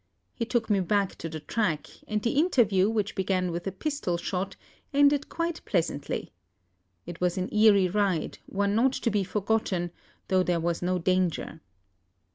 He took me back to the track; and the interview, which began with a pistol shot, ended quite pleasantly. It was an eerie ride, one not to be forgotten, though there was no danger."